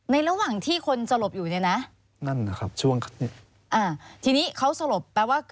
ในระหว่างที่คนสลบอยู่เนี่ยนะ